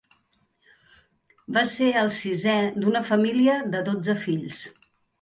Va ser el sisè d'una família de dotze fills.